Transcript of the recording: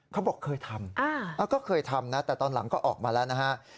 เขาบอกเคยทำก็เคยทำนะแต่ตอนหลังก็ออกมาแล้วนะฮะ